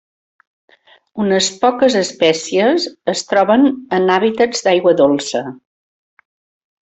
Unes poques espècies es troben en hàbitats d'aigua dolça.